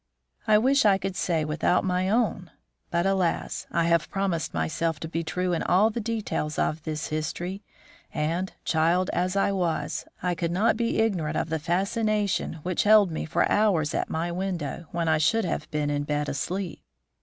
I wish I could say without my own; but, alas! I have promised myself to be true in all the details of this history, and, child as I was, I could not be ignorant of the fascination which held me for hours at my window when I should have been in bed and asleep.